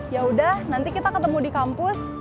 yaudah nanti kita ketemu di kampus